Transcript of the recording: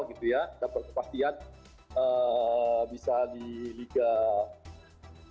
jadi sekarang itu memang kepastian liga itu jadi sesuatu yang bagi kami cukup mahal